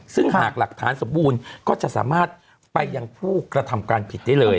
ซึ่งหากหลักฐานสมบูรณ์ก็จะสามารถไปยังผู้กระทำการผิดได้เลย